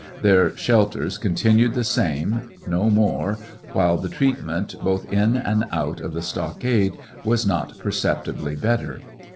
Their shelters continued the same, no more, while the treatment both in and out of the stockade was not perceptibly better.